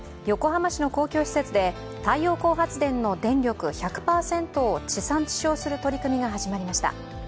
横浜市の公共施設で太陽光発電の電力１００％を地産地消する取り組みが始まりました。